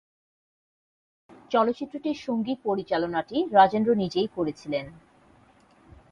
চলচ্চিত্রটির সঙ্গীত পরিচালনা টি রাজেন্দ্র নিজেই করেছিলেন।